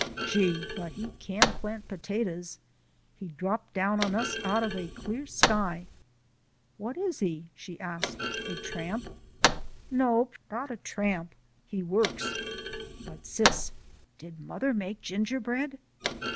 "Gee! but he can plant potatoes. He dropped down on us out of a clear sky." "What is he?" she asked. "A tramp?" "Nope, not a tramp. He works. But, Sis, did mother make gingerbread?"